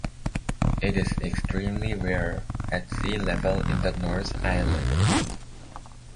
It is extremely rare at sea level in the North Island.